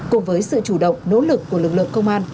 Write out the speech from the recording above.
cùng với sự chủ động nỗ lực của lực lượng công an